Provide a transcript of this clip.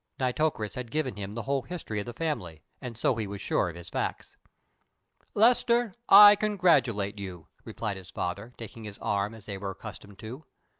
Nitocris had given him the whole history of the family, and so he was sure of his facts. "Lester, I congratulate you," replied his father, taking his arm, as they were accustomed to.